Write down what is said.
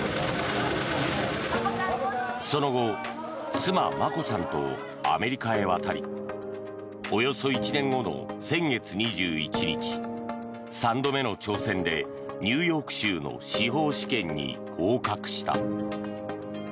その後、妻・眞子さんとアメリカへ渡りおよそ１年後の先月２１日３度目の挑戦でニューヨーク州の司法試験に合格した。